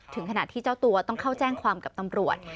ถึงขณะที่เจ้าตัวต้องเข้าแจ้งความกับตำรวจ